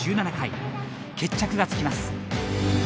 決着がつきます。